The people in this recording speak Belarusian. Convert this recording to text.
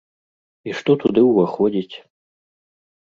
І што туды ўваходзіць?